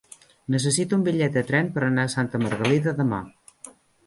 Necessito un bitllet de tren per anar a Santa Margalida demà.